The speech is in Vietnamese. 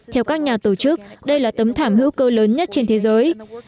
theo các nhà tổ chức đây là tấm thảm hữu cơ lớn nhất trên thế giới